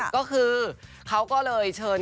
ก็คือเขาก็เลยเชิญ